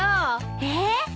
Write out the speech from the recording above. えっ！？